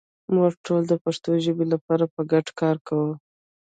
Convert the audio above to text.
موږ ټول د پښتو ژبې لپاره په ګډه کار کوو.